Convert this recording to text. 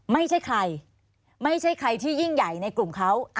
ไม่ใช่ใครไม่ใช่ใครที่ยิ่งใหญ่ในกลุ่มเขา